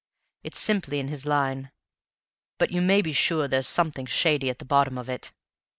It's simply in his line; but you may be sure there's something shady at the bottom of it.